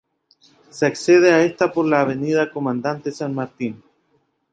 Se accede a esta por la avenida Comandante San Martín.